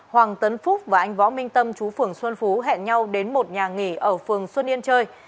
hoàng tấn phúc và anh võ minh tâm chú phường xuân phú hẹn nhau đến một nhà nghỉ ở phường xuân yên chơi